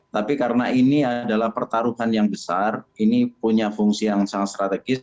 tapi karena ini adalah pertaruhan yang besar ini punya fungsi yang sangat strategis